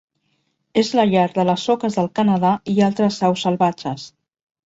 És la llar de les oques del Canadà i altres aus salvatges.